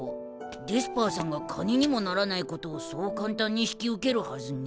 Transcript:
デスパーさんが金にもならないことをそう簡単に引き受けるはずねえ。